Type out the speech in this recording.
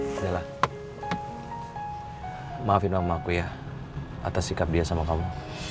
adalah maafin sama aku ya atas sikap dia sama kamu